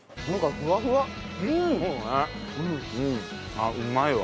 あっうまいわ。